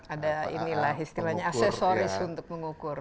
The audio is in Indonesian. ada inilah istilahnya aksesoris untuk mengukur